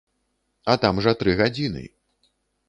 А там жа тры гадзіны.